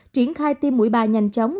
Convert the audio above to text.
triển khai tiêm mũi ba nhanh chóng